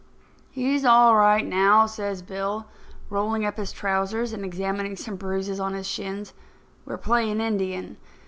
"He's all right now," says Bill, rolling up his trousers and examining some bruises on his shins. "We're playing Indian.